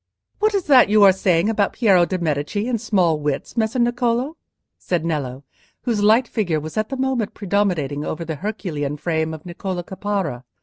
"What is that you are saying about Piero de' Medici and small wits, Messer Niccolò?" said Nello, whose light figure was at that moment predominating over the Herculean frame of Niccolò Caparra.